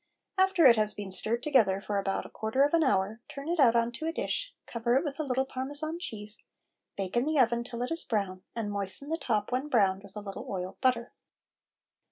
After it has been stirred together for about a quarter of an hour, turn it out on to a dish, cover it with a little Parmesan cheese, bake in the oven till it is brown, and moisten the top when browned with a little oiled butter.